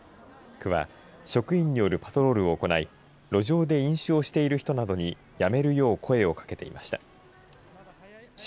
区は職員によるパトロールを行い路上で飲酒をしている人などにやめるよう声をかけていました。